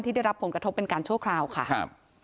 ที่ได้รับผลกระทบเป็นการชั่วคราวค่ะ